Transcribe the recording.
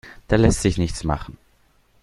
Da lässt sich nichts machen.